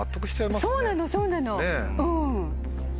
そうなのそうなの。